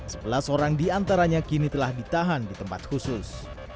sebelas orang diantaranya kini telah ditahan di tempat khusus